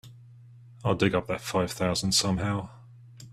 I'll dig up that five thousand somehow.